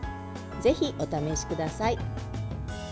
ぜひお試しください。